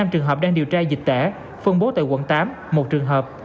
năm trường hợp đang điều tra dịch tễ phân bố tại quận tám một trường hợp